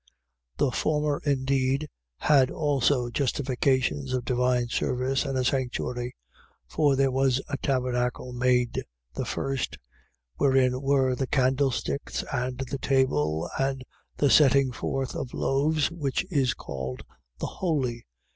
9:1. The former indeed had also justifications of divine service and a sanctuary. 9:2. For there was a tabernacle made the first, wherein were the candlesticks and the table and the setting forth of loaves, which is called the Holy.